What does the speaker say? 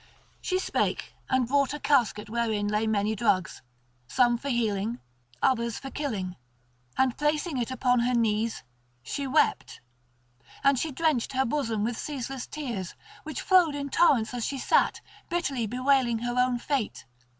She spake, and brought a casket wherein lay many drugs, some for healing, others for killing, and placing it upon her knees she wept. And she drenched her bosom with ceaseless tears, which flowed in torrents as she sat, bitterly bewailing her own fate.